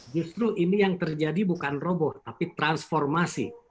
justru ini yang terjadi bukan roboh tapi transformasi